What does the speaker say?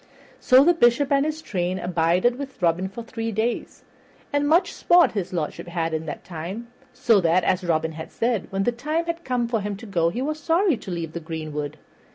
So the Bishop and his train abided with Robin for three days, and much sport his lordship had in that time, so that, as Robin had said, when the time had come for him to go he was sorry to leave the greenwood.